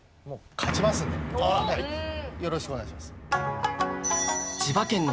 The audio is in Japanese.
よろしくお願いします。